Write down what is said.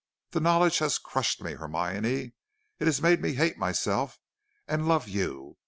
The knowledge has crushed me, Hermione; it has made me hate myself and love you.